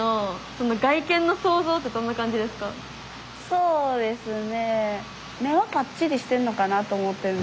そうですね。